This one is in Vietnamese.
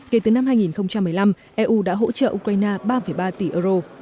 kể từ năm hai nghìn một mươi năm eu đã hỗ trợ ukraine ba ba tỷ euro